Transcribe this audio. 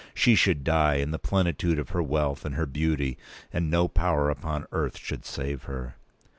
She should die, in the plenitude of her wealth and her beauty, and no power upon earth should save her!